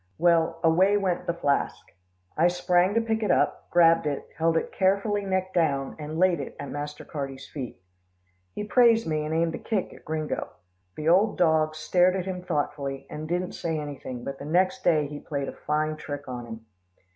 Well, away went the flask. I sprang to pick it up, grabbed it, held it carefully neck down, and laid it at Master Carty's feet. He praised me, and aimed a kick at Gringo. The old dog stared at him thoughtfully, and didn't say anything, but the next day he played a fine trick on him.